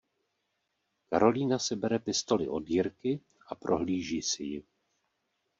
Karolína si bere pistoli od Jirky a prohlíží si ji.